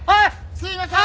すいません！